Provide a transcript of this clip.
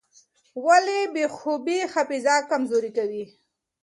ولې بې خوبي حافظه کمزورې کوي؟